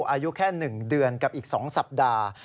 อายุแค่๑เดือนกับอีก๒สัปดาห์